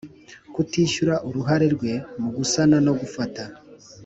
Kutishyura uruhare rwe mu gusana no gufata